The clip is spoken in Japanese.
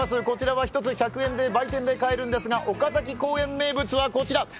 こちらは１つ１００円で売店で買えるんですが岡崎公園名物はこちら！